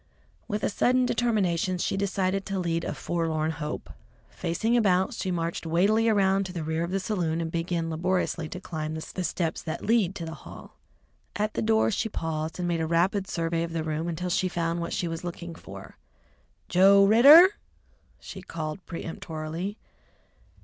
With a sudden determination she decided to lead a forlorn hope. Facing about, she marched weightily around to the rear of the saloon and began laboriously to climb the steps that lead to the hall. At the door she paused and made a rapid survey of the room until she found what she was looking for. "Joe Ridder!" she called peremptorily.